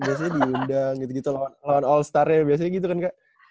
biasanya diundang gitu gitu lawan all starnya biasanya gitu kan kak